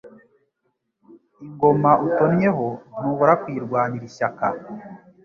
Ingoma utonnyeho ntubura kuyirwanira ishyaka.